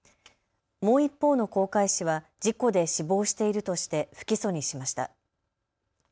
もう一方の航海士は事故で死亡しているとして不起訴にしました。